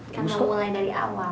kamu mulai dari awal